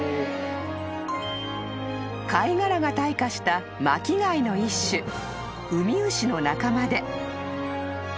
［貝殻が退化した巻き貝の一種ウミウシの仲間で］